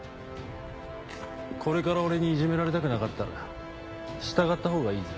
これから俺にいじめられたくなかったら従ったほうがいいぜ。